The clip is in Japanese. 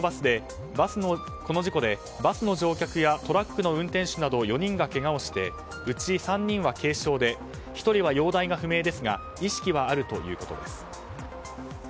この事故で、バスの乗客やトラックの運転手など４人がけがをしてうち３人は軽傷で１人は容体が不明ですが意識はあるということです。